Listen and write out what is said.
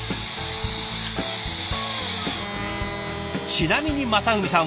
ちなみに正文さん